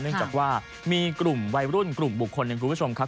เนื่องจากว่ามีกลุ่มวัยรุ่นกลุ่มบุคคลหนึ่งคุณผู้ชมครับ